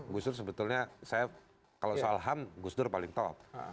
gusdur sebetulnya saya kalau soal ham gusdur paling top